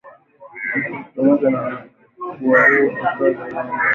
Pamoja na kuwaua wakaazi ambao walipita kwenye njia yao na kuyachoma magari sita.